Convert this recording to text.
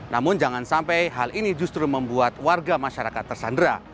namun jangan sampai hal ini justru membuat warga masyarakat tersandera